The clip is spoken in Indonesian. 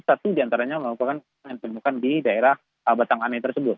satu diantaranya merupakan yang ditemukan di daerah batangane tersebut